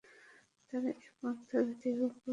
তারা এ পন্থার ব্যতিক্রম করবে না।